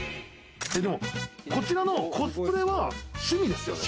こちらのコスプレは趣味ですよね。